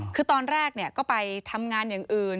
คือตอนแรกก็ไปทำงานอย่างอื่น